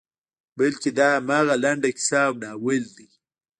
بلکې دا همغه لنډه کیسه او ناول ده.